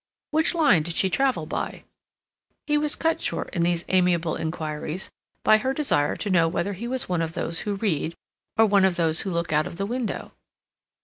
"Which line did she travel by?" He was cut short in these amiable inquiries by her desire to know whether he was one of those who read, or one of those who look out of the window?